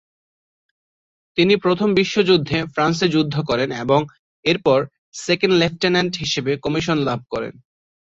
তিনি প্রথম বিশ্বযুদ্ধে ফ্রান্সে যুদ্ধ করেন এবং এরপর সেকেন্ড লেফটেন্যান্ট হিসেবে কমিশন লাভ করেন।